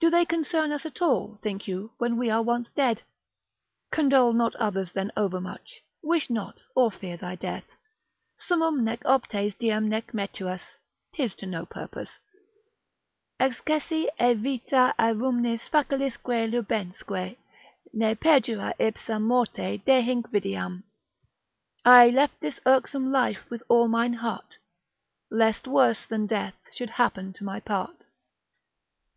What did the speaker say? Do they concern us at all, think you, when we are once dead? Condole not others then overmuch, wish not or fear thy death. Summum nec optes diem nec metuas; 'tis to no purpose. Excessi e vitae aerumnis facilisque lubensque Ne perjora ipsa morte dehinc videam. I left this irksome life with all mine heart, Lest worse than death should happen to my part.